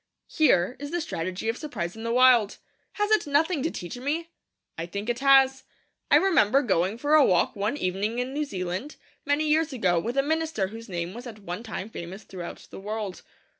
Here is the strategy of surprise in the wild. Has it nothing to teach me? I think it has. I remember going for a walk one evening in New Zealand, many years ago, with a minister whose name was at one time famous throughout the world.